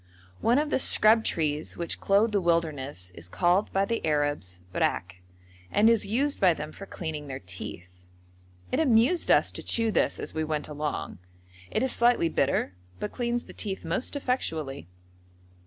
One of the scrub trees which clothe the wilderness is called by the Arabs rack, and is used by them for cleaning their teeth. It amused us to chew this as we went along: it is slightly bitter, but cleans the teeth most effectually.